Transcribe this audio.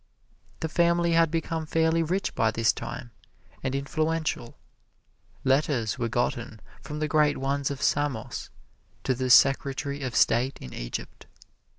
The family had become fairly rich by this time, and influential. Letters were gotten from the great ones of Samos to the Secretary of State in Egypt.